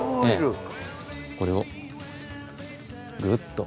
これをぐっと。